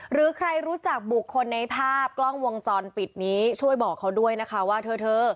หรือใครรู้จักบุคคลในภาพกล้องวงจรปิดนี้ช่วยบอกเขาด้วยนะคะว่าเธอ